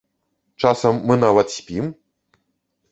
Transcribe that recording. Часам мы нават спім!